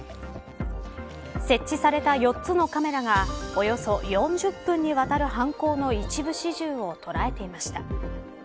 設置された４つのカメラがおよそ４０分にわたる犯行の一部始終を捉えていました。